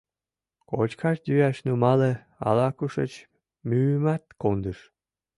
Кочкаш-йӱаш нумале, ала-кушеч мӱйымат кондыш.